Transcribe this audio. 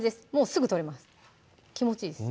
すぐ取れます気持ちいいです